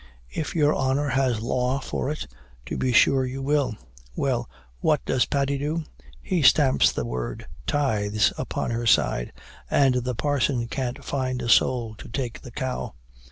'If your honor has law for it, to be sure you will.' Well, what does Paddy do? He stamps the word 'Tithes' upon her side, and the parson can't find a soul to take the cow.